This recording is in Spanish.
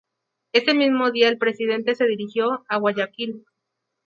Ese mismo día el presidente se dirigió a Guayaquil.